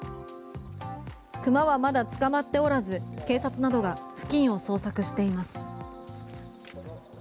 熊はまだ捕まっておらず警察などが付近を捜索しています。